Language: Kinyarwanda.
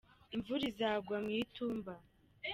imvura izagwa mu itumba